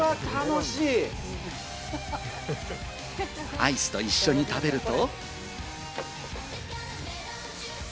アイスと一緒に食べると。